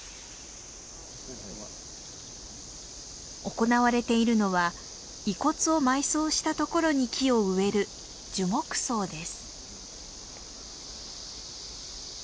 行われているのは遺骨を埋葬した所に木を植える樹木葬です。